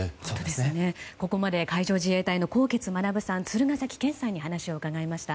ここまで海上自衛隊の纐纈学さん鶴ケ崎健さんにお話を伺いました。